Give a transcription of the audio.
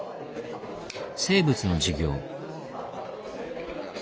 生物の授業。